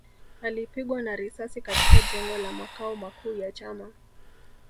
Alipigwa na risasi katika jengo la makao makuu ya chama